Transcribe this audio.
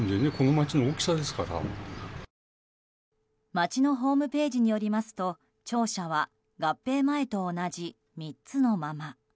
町のホームページによりますと庁舎は合併前と同じ３つのまま。